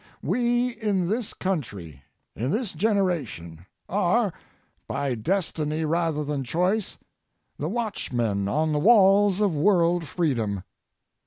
We in this country, in this generation, are ŌĆō by destiny rather than choice ŌĆō the watchmen on the walls of world freedom.